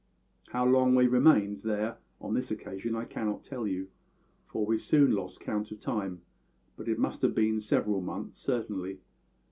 "How long we remained there on this occasion I cannot tell you, for we soon lost count of time; but it must have been several months, certainly.